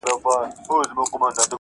له دې سببه دی چي شپه ستایمه,